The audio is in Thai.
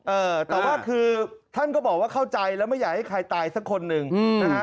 เออแต่ว่าคือท่านก็บอกว่าเข้าใจแล้วไม่อยากให้ใครตายสักคนหนึ่งนะฮะ